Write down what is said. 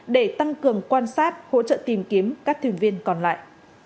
để tăng cường quan sát hỗ trợ tìm kiếm các thuyền viên còn lại